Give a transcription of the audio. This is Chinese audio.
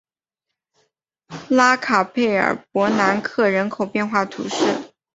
拉卡佩尔博南克人口变化图示